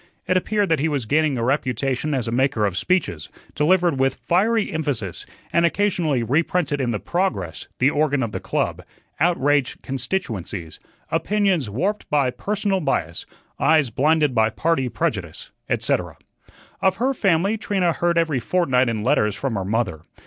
It appeared that he was gaining a reputation as a maker of speeches, delivered with fiery emphasis, and occasionally reprinted in the "Progress," the organ of the club "outraged constituencies," "opinions warped by personal bias," "eyes blinded by party prejudice," etc. Of her family, Trina heard every fortnight in letters from her mother.